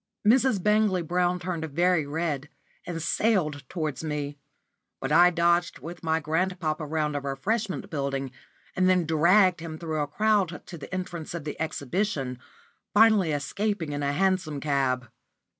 Mrs. Bangley Brown turned very red, and sailed towards me; but I dodged with my grandpapa round a refreshment building, and then dragged him through a crowd to the entrance of the Exhibition, finally escaping in a hansom cab.